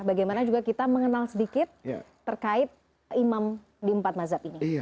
bagaimana juga kita mengenal sedikit terkait imam di empat mazhab ini